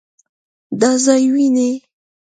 دا ځای وينې؟